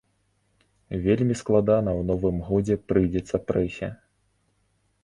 Вельмі складана ў новым годзе прыйдзецца прэсе.